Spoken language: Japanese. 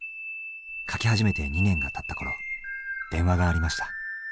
書き始めて２年がたった頃電話がありました。